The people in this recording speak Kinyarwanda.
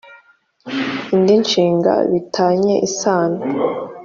indi nshinga bi tanye isano